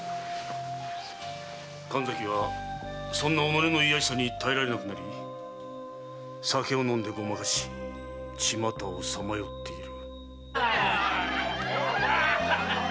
神崎はそんな己の卑しさに耐えられなくなり酒を飲んでごまかし巷をさまよっている。